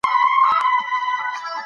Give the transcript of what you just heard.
ځان مې له یاده وتلی و او تل مې دې